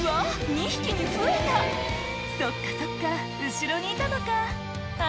２匹に増えたそっかそっか後ろにいたのかあ